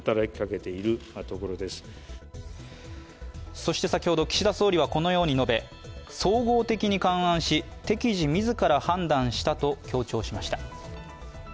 そして先ほど岸田総理はこのように述べ総合的に勘案し、適時自ら判断したと強調しました。